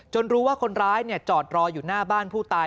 รู้ว่าคนร้ายจอดรออยู่หน้าบ้านผู้ตาย